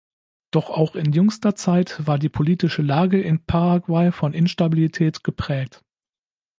Doch auch in jüngster Zeit war die politische Lage in Paraguay von Instabilität geprägt.